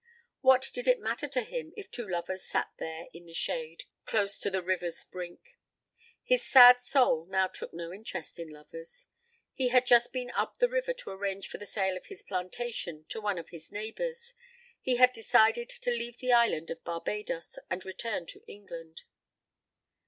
What did it matter to him if two lovers sat there in the shade, close to the river's brink? His sad soul now took no interest in lovers. He had just been up the river to arrange for the sale of his plantation to one of his neighbours. He had decided to leave the island of Barbadoes and to return to England.